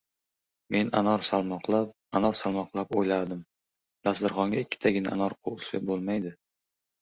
Men anor salmoqlab-anor salmoqlab o‘yladim: dasturxonga ikkitagina anor qo‘ysa bo‘lmaydi.